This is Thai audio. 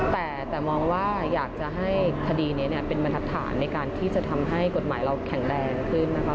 แต่มองว่าอยากจะให้คดีนี้เป็นบรรทัศนในการที่จะทำให้กฎหมายเราแข็งแรงขึ้นนะคะ